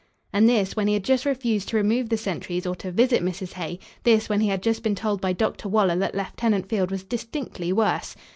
And this when he had just refused to remove the sentries or to visit Mrs. Hay: this when he had just been told by Dr. Waller that Lieutenant Field was distinctly worse.